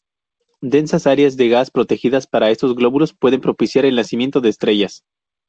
Densas áreas de gas protegidas por estos glóbulos pueden propiciar el nacimiento de estrellas.